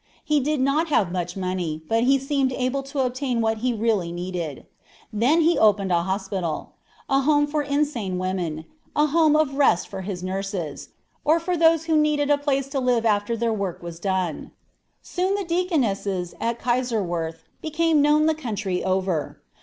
He did not have much money, but he seemed able to obtain what he really needed. Then he opened a hospital; a home for insane women; a home of rest for his nurses, or for those who needed a place to live after their work was done. Soon the "Deaconesses" at Kaiserwerth became known the country over.